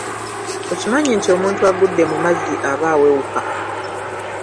Okimanyi nti omuntu agudde mu mazzi aba awewuka?